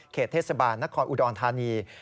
เขตเทศบาลนักคอร์อุดออนธานี